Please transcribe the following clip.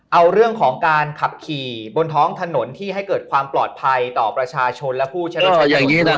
เอาเรื่องของการขับขี่บนท้องถนนที่ให้เกิดความปลอดภัยต่อประชาชนและผู้ใช้รถใช้